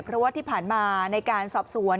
เพราะว่าที่ผ่านมาในการสอบสวน